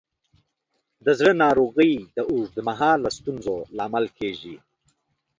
د زړه ناروغۍ د اوږد مهاله ستونزو لامل کېږي.